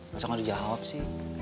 masa gak dijawab sih